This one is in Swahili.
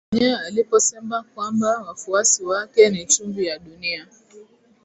mwenyewe aliposema kwamba wafuasi wake ni chumvi ya dunia